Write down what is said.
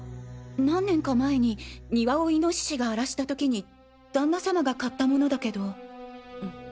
何年か前に庭を猪が荒らしたときに旦那さまが買ったものだけど。